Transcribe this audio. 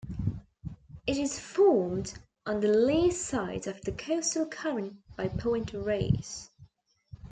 It is formed on the lee side of the coastal current by Point Reyes.